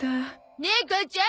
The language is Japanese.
ねえ母ちゃん。